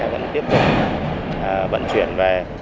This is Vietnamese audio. vẫn tiếp tục vận chuyển về